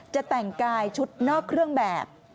จะแต่งกายชุดนอกเครื่องแบบ